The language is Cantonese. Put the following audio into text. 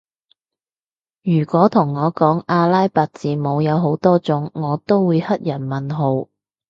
如果同我講阿拉伯字母有好多種我都會黑人問號